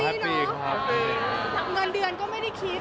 นี่นะเงินเดือนก็ไม่ได้คิด